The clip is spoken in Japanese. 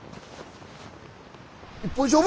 一本勝負！